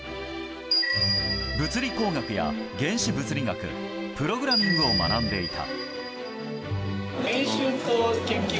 物理工学や原子物理学プログラミングを学んでいた。